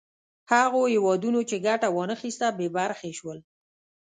هغو هېوادونو چې ګټه وا نه خیسته بې برخې شول.